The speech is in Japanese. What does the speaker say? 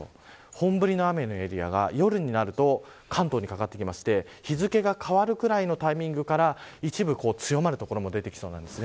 本降りの雨のエリアが夜になると関東にかかってきて、日付が変わるくらいのタイミングから一部、強まる所も出てきます。